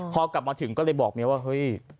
พอกลับมาถึงก็เลยบอกเมียว่าเฮ้ย